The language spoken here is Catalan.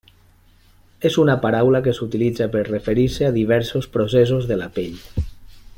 És una paraula que s'utilitza per referir-se a diversos processos de la pell.